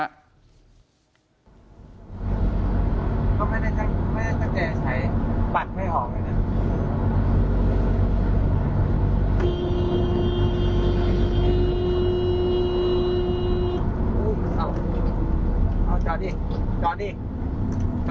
เอาจอดดิจอดดิจอดดิ